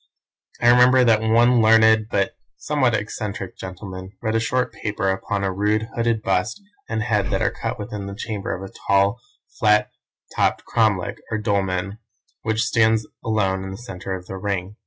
I remember that one learned but somewhat eccentric gentleman read a short paper upon a rude, hooded bust and head that are cut within the chamber of a tall, flat topped cromlech, or dolmen, which stands alone in the centre of the ring.